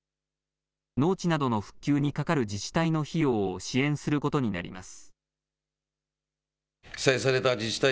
農地などの復旧にかかる自治体の費用を支援することになります。